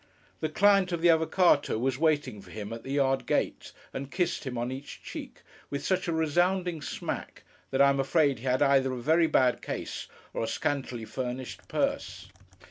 The client of the Avvocáto was waiting for him at the yard gate, and kissed him on each cheek, with such a resounding smack, that I am afraid he had either a very bad case, or a scantily furnished purse.